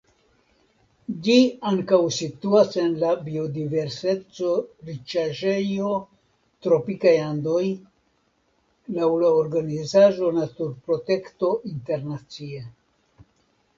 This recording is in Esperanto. Ĝi ankaŭ situas en la biodiverseco-riĉaĵejo Tropikaj Andoj laŭ la organizaĵo Naturprotekto Internacie.